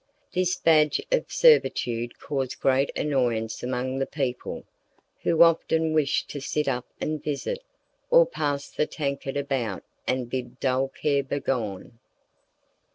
This badge of servitude caused great annoyance among the people, who often wished to sit up and visit, or pass the tankard about and bid dull care begone.